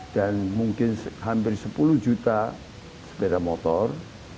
dan mungkin hampir sepuluh juta sepeda motor